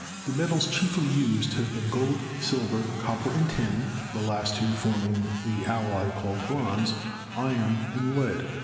The metals chiefly used have been gold, silver, copper and tin (the last two forming the alloy called bronze), iron and lead.